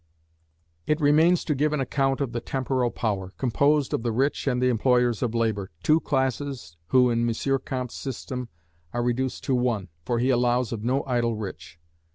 It remains to give an account of the Temporal Power, composed of the rich and the employers of labour, two classes who in M. Comte's system are reduced to one, for he allows of no idle rich.